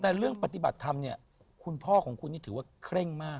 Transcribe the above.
แต่เรื่องปฏิบัติธรรมเนี่ยคุณพ่อของคุณนี่ถือว่าเคร่งมาก